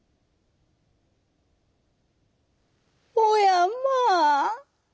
「おやまあ！